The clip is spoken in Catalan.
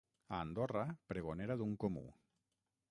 A Andorra, pregonera d'un comú.